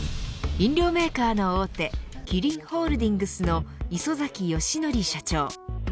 飲料メーカーの大手キリンホールディングスの磯崎功典社長。